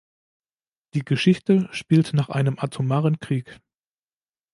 Die Geschichte spielt nach einem atomaren Krieg.